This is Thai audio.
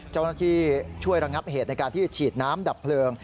เจ้าหน้าที่ช่วยระงับเหตุในการที่ฉีดน้ำดับเพลิง